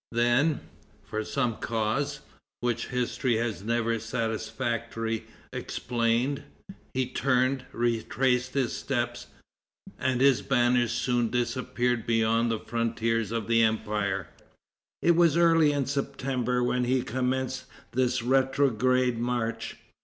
Then, for some cause, which history has never satisfactory explained, he turned, retraced his steps, and his banners soon disappeared beyond the frontiers of the empire. It was early in September when he commenced this retrograde march.